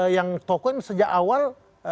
yang toko yang sejak awal